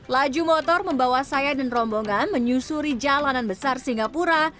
laju motor membawa saya dan rombongan menyusuri jalanan besar singapura